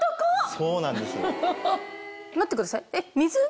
そうなんです。